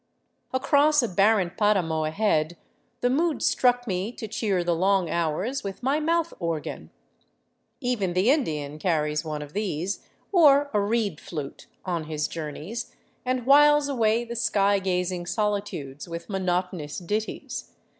Across a barren paramo ahead the mood struck me to cheer the long hours with my mouth organ. Even the Indian carries one of these, or a reed flute on his journeys, and whiles away the sky gazing solitudes with monotonous ditties.